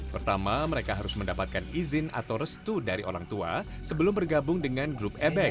pertama mereka harus mendapatkan izin atau restu dari orang tua sebelum bergabung dengan grup ebek